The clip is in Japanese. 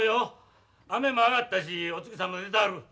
雨も上がったしお月さんも出てある。